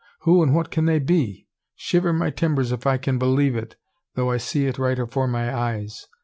Who and what can they be? Shiver my timbers if I can believe it, tho' I see it right afore my eyes!